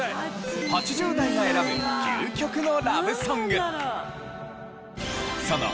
８０代が選ぶ究極のラブソング。